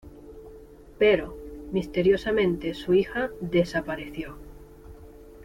Pero, misteriosamente, su hija desapareció.